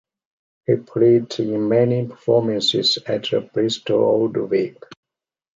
He played in many performances at the Bristol Old Vic.